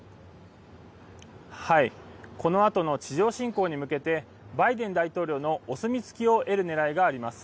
このあとの地上侵攻に向けてバイデン大統領のお墨付きを得るねらいがあります。